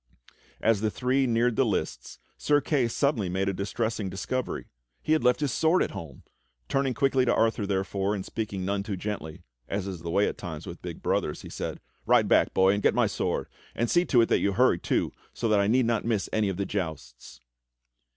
As the three neared the lists Sir Kay suddenly made a distressing disco very^ — he had left his sword at home! Turning quickly to Arthur, therefore, and speaking none too gently — as is the way at times with big brothers, he said: "Ride back, boy, and get my sword; and see to it that you hurry too, so that I need not miss any of the jousts."